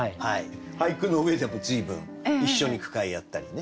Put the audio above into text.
俳句の上でも随分一緒に句会やったりね。